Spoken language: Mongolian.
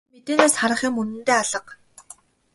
Зурагтаар мэдээнээс харах юм үнэндээ алга.